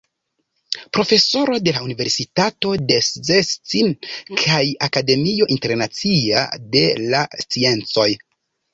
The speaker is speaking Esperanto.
Profesoro de la Universitato de Szczecin kaj Akademio Internacia de la Sciencoj.